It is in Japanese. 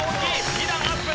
２段アップ！